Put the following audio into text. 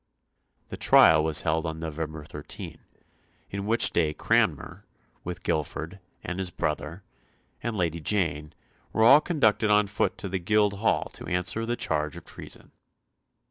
The trial was held on November 13, on which day Cranmer, with Guilford, and his brother, and Lady Jane, were all conducted on foot to the Guildhall to answer the charge of treason.